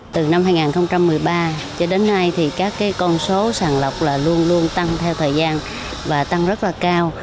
từ năm hai nghìn một mươi ba cho đến nay thì các con số sàng lọc là luôn luôn tăng theo thời gian và tăng rất là cao